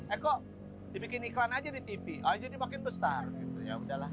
eko dibikin iklan aja di tv jadi makin besar gitu ya udahlah